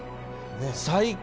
最高！